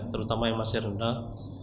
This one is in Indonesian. terutama yang masih rendah